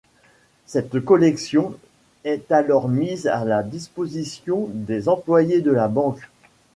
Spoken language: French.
Cette collection est alors mise à la disposition des employés de la banque.